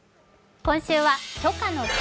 今週は初夏の旬！